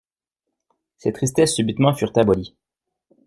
Ses tristesses subitement furent abolies.